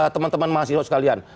teman teman mahasiswa sekalian